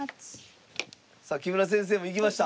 さあ木村先生も行きました。